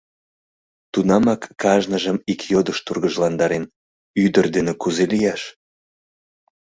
Тунамак кажныжым ик йодыш тургыжландарен: ӱдыр дене кузе лияш?